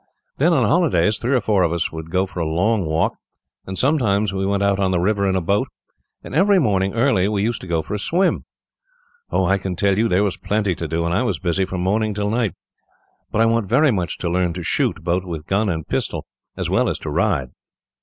Then, on holidays, three or four of us would go for a long walk, and sometimes we went out on the river in a boat; and every morning, early, we used to go for a swim. Oh, I can tell you, there was plenty to do, and I was busy from morning till night. But I want very much to learn to shoot, both with gun and pistol, as well as to ride."